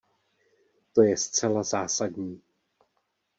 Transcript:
To je zcela zásadní.